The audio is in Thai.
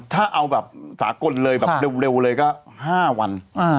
ถ้าเอาแบบสากลเลยแบบเร็วเลยก็๕วัน